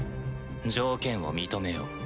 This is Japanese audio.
条件を認めよう。